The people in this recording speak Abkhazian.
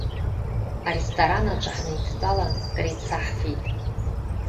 Аресторан аҿы ҳнеидтәалан, креицаҳфеит.